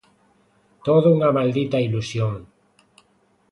Todo unha Maldita Ilusión.